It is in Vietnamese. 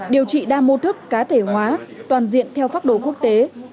điều trị đa mô thức cá thể hóa toàn diện theo pháp đồ quốc tế